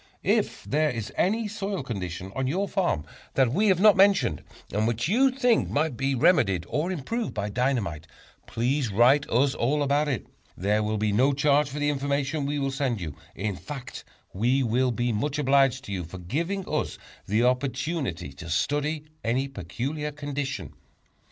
If there is any soil condition on your farm that we have not mentioned, and which you think might be remedied or improved by dynamite, please write us all about it. There will be no charge for the information we will send you; in fact, we will be much obliged to you for giving us the opportunity to study any peculiar condition.